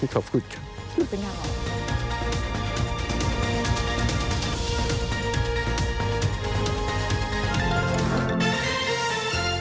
ขอบคุณค่ะ